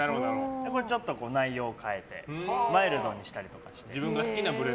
これは内容を変えてマイルドにしたりして。